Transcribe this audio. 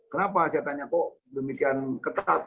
kenapa saya tanya kok demikian ketat